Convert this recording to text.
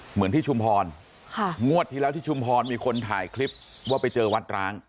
เหมือนที่ชุมพรค่ะงวดที่แล้วที่ชุมพรมีคนถ่ายคลิปว่าไปเจอวัดร้าง